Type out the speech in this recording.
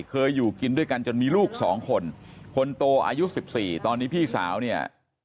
เคยอยู่กินด้วยกันจนมีลูกสองคนคนโตอายุ๑๔ตอนนี้พี่สาวเนี่ย